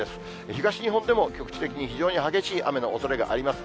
東日本でも局地的に非常に激しい雨のおそれがあります。